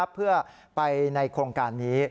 เพื่อไปในโครงการนี้